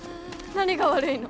何が悪いの？